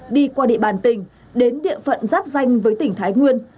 đi qua địa bàn tỉnh đến địa phận giáp danh với tỉnh thái nguyên